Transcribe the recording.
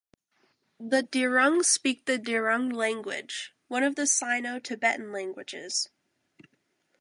The Derung speak the Derung language, one of the Sino-Tibetan languages.